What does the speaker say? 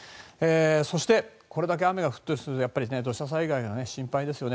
そしてこれだけ雨が降ってくるとやっぱり土砂災害が心配ですよね。